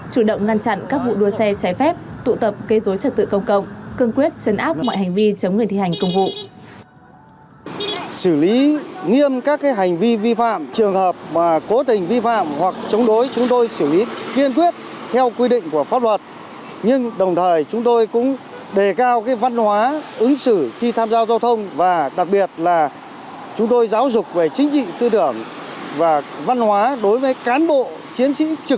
chủ động ngăn chặn các vụ đua xe trái phép tụ tập kê dối trật tự công cộng cương quyết chấn áp mọi hành vi chống người thi hành công vụ